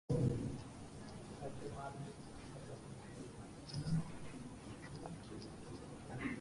This frieze is likely the work of two different sculptors.